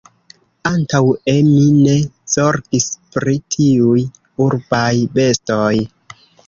Antaŭe, mi ne zorgis pri tiuj urbaj bestoj...